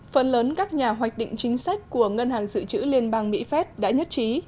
phần lớn các nhà hoạch định chính sách của ngân hàng dự trữ liên bang mỹ phép đã nhất trí